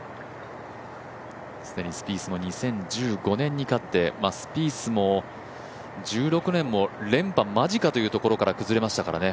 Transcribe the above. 既にスピースも２０１５年に勝ってスピースも１６年も連覇間近というところから、崩れましたから。